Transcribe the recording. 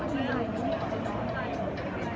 มันเป็นสิ่งที่จะให้ทุกคนรู้สึกว่า